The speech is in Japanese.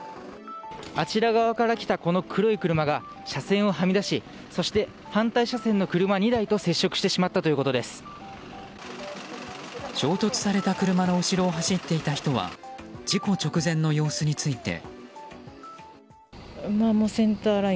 あちら側から来たこの黒い車が車線をはみ出しそして反対車線の車２台と衝突された車の後ろを走っていた人は事故直前の様子について。